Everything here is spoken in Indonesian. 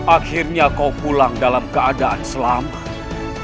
akhirnya kau pulang dalam keadaan selamat